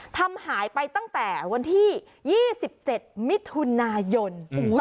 ทำหายไปตั้งแต่วันที่๒๗มิถุนายน